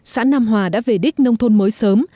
xã nam hòa đã về đích nông thôn mới sớm